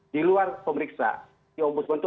di luar pemeriksa di om budsman itu